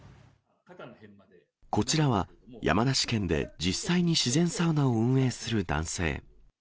こちらは、山梨県で実際に自然サウナを運営する男性。